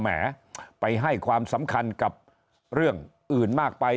แหมไปให้ความสำคัญกับเรื่องอื่นมากไป